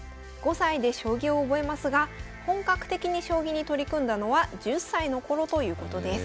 ５歳で将棋を覚えますが本格的に将棋に取り組んだのは１０歳のころということです。